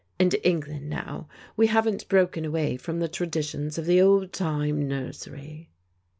In England, now, we haven't broken away from the tradi tions of the old time nursery."